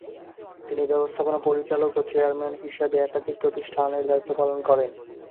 তিনি ব্যবস্থাপনা পরিচালক ও চেয়ারম্যান হিসাবে একাধিক প্রতিষ্ঠানের দায়িত্ব পালন করেন।